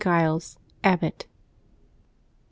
GILES, Abbot. [t.